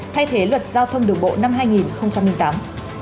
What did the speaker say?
thay thế luật giao thông đường bộ năm hai nghìn một mươi tám